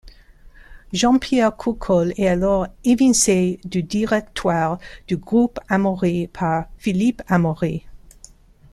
Jean-Pierre Courcol est alors évincé du directoire du Groupe Amaury par Philippe Amaury.